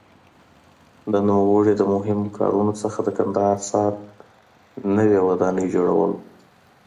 د نوموړي د مهمو کارونو څخه د کندهار ښار نوې ودانۍ جوړول وو.